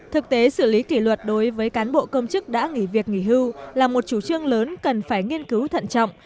thực tế xử lý kỷ luật đối với cán bộ công chức đã nghỉ việc nghỉ hưu là một chủ trương lớn cần phải nghiên cứu thận trọng